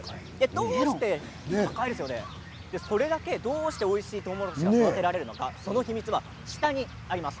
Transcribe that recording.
どうして、それだけおいしいとうもろこしが育てられるのかその秘密は下にあります。